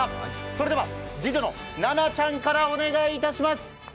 それでは、次女のななちゃんからお願いいたします。